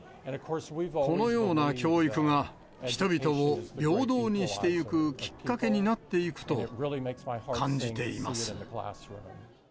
このような教育が人々を平等にしていくきっかけになっていくと感じています。